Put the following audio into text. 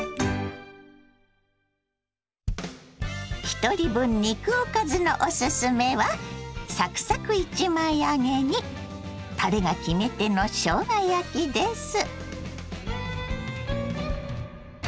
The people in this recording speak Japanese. ひとり分肉おかずのおすすめはサクサク１枚揚げにたれが決め手のしょうが焼きです。